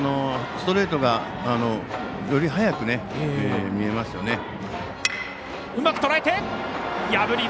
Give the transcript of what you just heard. ストレートがより速く見えますよね。